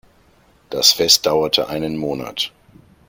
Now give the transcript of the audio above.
Das Fest dauerte einen Monat.